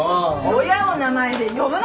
親を名前で呼ぶな！